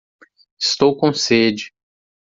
Estou com sede.